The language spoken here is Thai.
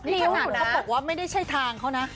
ที่ฐานก็บอกว่าไม่ให้ใช้ทางเข้านะ